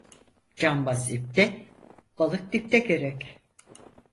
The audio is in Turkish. Cambaz ipte, balık dipte gerek.